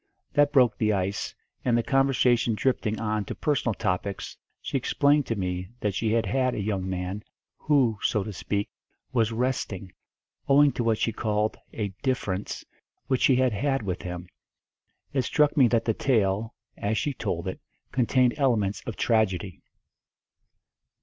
That broke the ice, and the conversation drifting on to personal topics she explained to me that she had a young man, who, so to speak, was "resting," owing to what she called a "difference" which she had had with him. It struck me that the tale, as she told it, contained elements of tragedy.